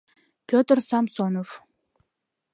Петр Самсонов.